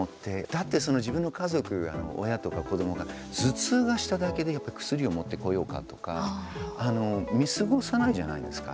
だって自分の家族、親とか子どもが頭痛がしただけでやっぱり薬を持ってこようかとか見過ごさないじゃないですか。